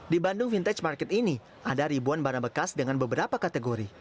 di bandung vintage market ini ada ribuan barang bekas dengan beberapa kategori